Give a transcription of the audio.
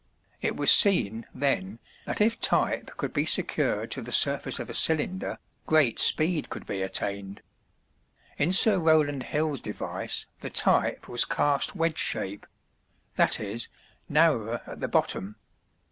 It was seen, then, that if type could be secured to the surface of a cylinder, great speed could be attained. In Sir Rowland Hill's device the type was cast wedge shape; that is, narrower at the bottom.